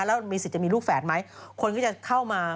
แล้วมีสิทธิ์จะมีลูกแฝดไหมคนก็จะเข้ามา